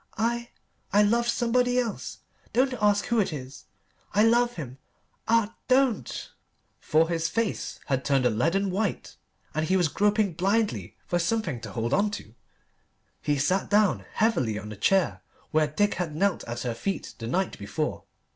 I I love somebody else. Don't ask who it is. I love him. Ah don't!" For his face had turned a leaden white, and he was groping blindly for something to hold on to. He sat down heavily on the chair where Dick had knelt at her feet the night before.